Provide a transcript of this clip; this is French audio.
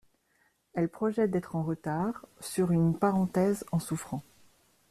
Elles projettent d'être en retard sur une parenthèse en souffrant.